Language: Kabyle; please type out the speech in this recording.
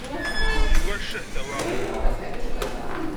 Yugar cceh, tawaɣit.